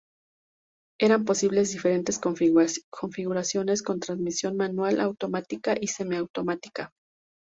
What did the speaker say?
Eran posibles diferentes configuraciones, con transmisión manual, automática y semiautomática.